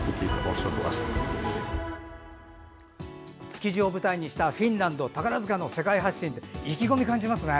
築地を舞台にしたフィンランド、宝塚の世界発信って意気込みを感じますね。